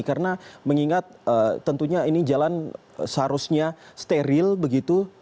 karena mengingat tentunya ini jalan seharusnya steril begitu